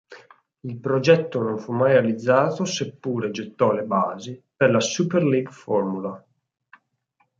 Il progetto non fu mai realizzato seppure gettò le basi per la Superleague Formula.